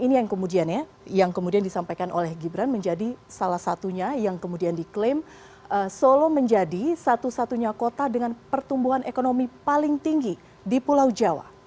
ini yang kemudian ya yang kemudian disampaikan oleh gibran menjadi salah satunya yang kemudian diklaim solo menjadi satu satunya kota dengan pertumbuhan ekonomi paling tinggi di pulau jawa